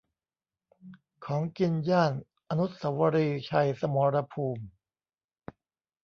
ของกินย่าน อนุสาวรีย์ชัยสมรภูมิ